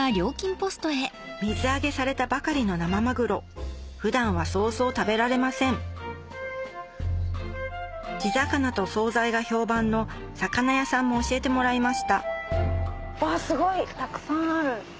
水揚げされたばかりの生まぐろ普段はそうそう食べられません地魚と総菜が評判の魚屋さんも教えてもらいましたわすごいたくさんある。